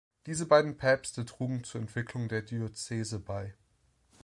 Diese beiden Päpste trugen zur Entwicklung der Diözese bei.